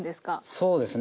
そうですね。